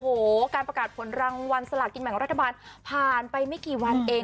โหการประกาศขนวงรางวามสละกินใหม่ของรัฐบาลพานไปไม่กี่วันเอง